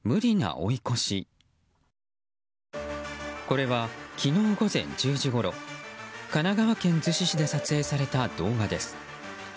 これは昨日午前１０時ごろ神奈川県逗子市で撮影された動画です。